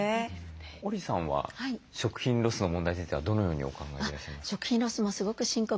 織さんは食品ロスの問題についてはどのようにお考えでいらっしゃいますか？